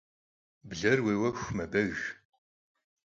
Bler vuêuexu mebeg.